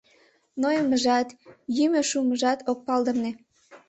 Нойымыжат, йӱмӧ шумыжат ок палдырне.